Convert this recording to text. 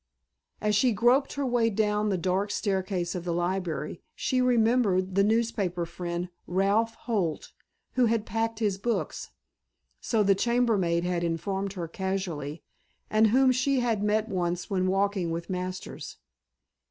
As she groped her way down the dark staircase of the library she remembered the newspaper friend, Ralph Holt, who had packed his books so the chambermaid had informed her casually and whom she had met once when walking with Masters.